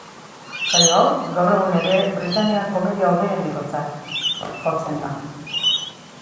Saio hau, gaur egun ere, britaniar komedia hoberenetakotzat jotzen da.